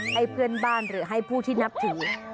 ให้เพื่อนบ้านหรือให้ผู้ที่นับถือ